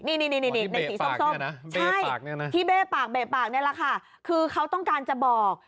นี่ในสีส้มใช่ที่เบ้ปากเบ้ปากนี่แหละค่ะคือเขาต้องการจะบอก